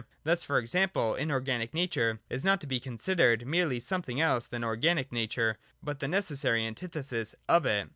Thus, for example, inorganic nature is not to be considered merely something else than organic nature, but the necessary antithesis of it.